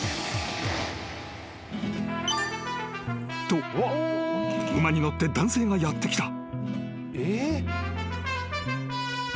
［と馬に乗って男性がやって来た］